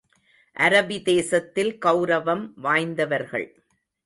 அரபி தேசத்தில் கெளரவம் வாய்ந்தவர்கள்.